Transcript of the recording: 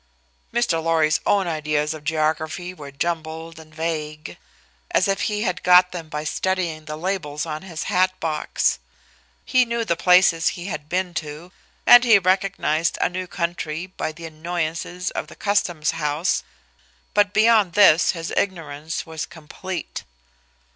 Mr. Lorry's own ideas of geography were jumbled and vague as if he had got them by studying the labels on his hat box. He knew the places he had been to, and he recognized a new country by the annoyances of the customs house, but beyond this his ignorance was complete.